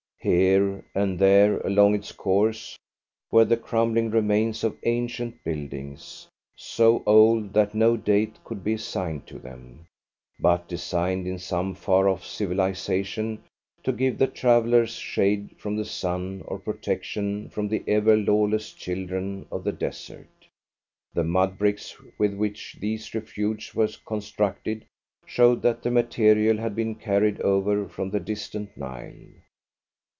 Here and there along its course were the crumbling remains of ancient buildings, so old that no date could be assigned to them, but designed in some far off civilisation to give the travellers shade from the sun or protection from the ever lawless children of the desert. The mud bricks with which these refuges were constructed showed that the material had been carried over from the distant Nile.